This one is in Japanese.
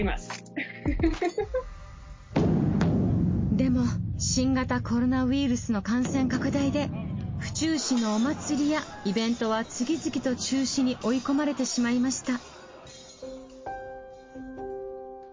でも新型コロナウイルスの感染拡大で府中市のお祭りやイベントは次々と中止に追い込まれてしまいました。